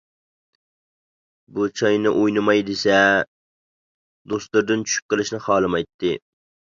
بۇ چاينى ئوينىماي دېسە، دوستلىرىدىن چۈشۈپ قېلىشنى خالىمايتتى.